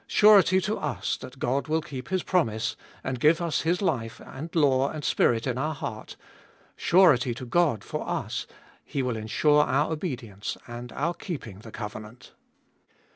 Surety to us that God will keep His promise, and give us His life and law and Spirit in our heart ; surety to God for us, He will ensure our obedience and our keeping the covenant.